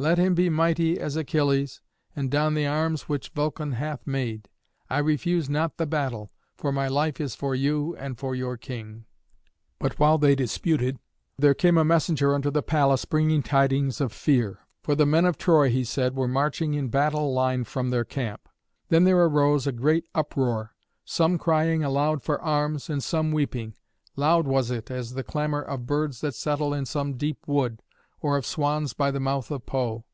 Let him be mighty as Achilles, and don the arms which Vulcan hath made. I refuse not the battle, for my life is for you and for your king." But while they disputed there came a messenger unto the palace bringing tidings of fear. For the men of Troy, he said, were marching in battle line from their camp. Then there arose a great uproar, some crying aloud for arms, and some weeping; loud was it as the clamour of birds that settle in some deep wood, or of swans by the mouth of Po.